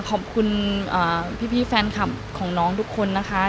ขอบคุณพี่แฟนคลับของน้องทุกคนนะคะ